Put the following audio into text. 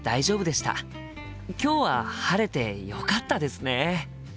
今日は晴れてよかったですね！